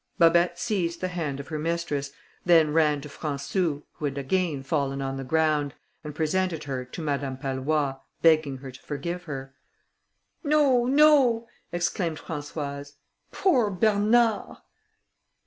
Babet seized the hand of her mistress, then ran to Françou, who had again fallen on the ground, and presented her to Madame Pallois, begging her to forgive her. "No! no!" exclaimed Françoise; "poor Bernard!"